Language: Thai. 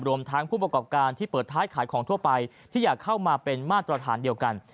รวมทั้งผู้ประกอบการที่เปิดท้ายขายของทั่วไปที่อยากเข้ามาเป็นมาตรฐานเดียวกัน